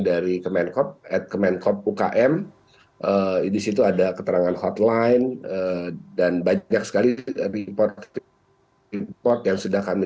dari kemenkop at kemenkop ukm disitu ada keterangan hotline dan banyak sekali report yang sudah kami